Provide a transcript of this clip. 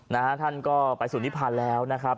นะฮะท่านก็ไปสู่นิพันธ์แล้วนะครับ